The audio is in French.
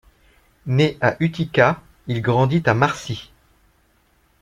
Né à Utica, il grandit à Marcy.